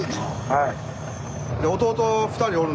はい。